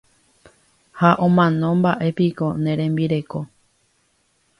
Ha omanómba'epiko ne rembireko.